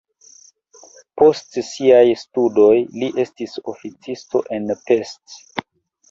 Post siaj studoj li estis oficisto en Pest.